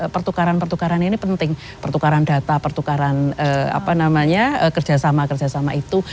pertukaran pertukaran ini penting pertukaran data pertukaran kerjasama kerjasama itu